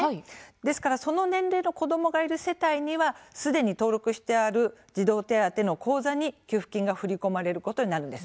ですからその年齢の子どもがいる世帯には、すでに登録してある児童手当の口座に給付金が振り込まれることになるんです。